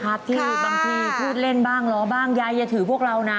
ที่บางทีพูดเล่นบ้างล้อบ้างยายอย่าถือพวกเรานะ